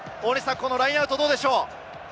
ラインアウトどうでしょうか？